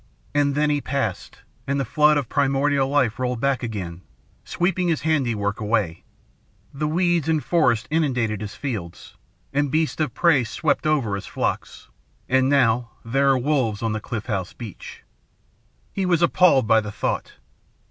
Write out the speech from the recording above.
And then he passed, and the flood of primordial life rolled back again, sweeping his handiwork away the weeds and the forest inundated his fields, the beasts of prey swept over his flocks, and now there are wolves on the Cliff House beach." He was appalled by the thought.